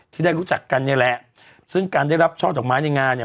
ที่ได้รู้จักกันเนี่ยแหละซึ่งการได้รับช่อดอกไม้ในงานเนี่ย